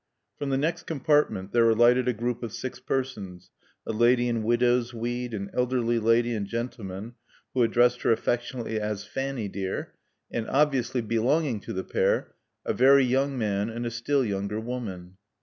From the next compartment there alighted a group of six persons, a lady in widow's weeds, an elderly lady and gentleman who addressed her affectionately as "Fanny, dear," and (obviously belonging to the pair) a very young man and a still younger woman.